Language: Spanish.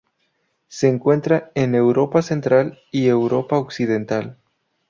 Se encuentra en Europa Central y Europa Occidental.